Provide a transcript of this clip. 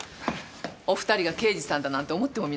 お二人が刑事さんだなんて思ってもみなかったわ。